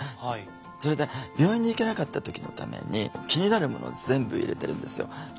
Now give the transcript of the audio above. それで病院に行けなかった時のために気になるものを全部入れてるんですよ。